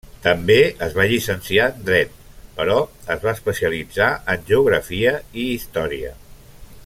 També es va llicenciar en dret, però es va especialitzar en geografia i història.